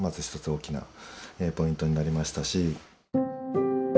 大きなポイントになりましたし。